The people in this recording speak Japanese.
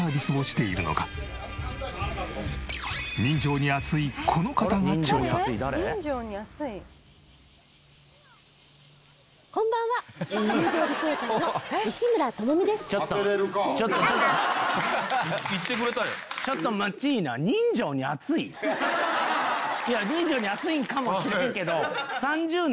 いや人情に厚いんかもしれんけど。